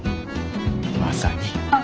まさに。